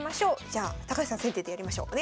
じゃあ高橋さん先手でやりましょう。